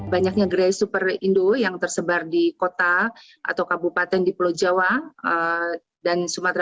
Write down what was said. banyaknya gerai super indo yang tersebar di kota atau kabupaten di pulau jawa dan sumatera